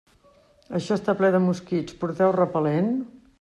Això està ple de mosquits, porteu repel·lent?